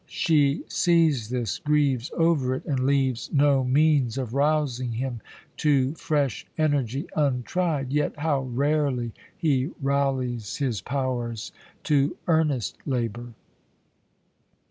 She sees this, grieves over it, and leaves no means of rousing him to fresh energy untried; yet how rarely he rallies his powers to earnest labour!